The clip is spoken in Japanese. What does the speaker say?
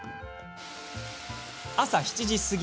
朝７時過ぎ。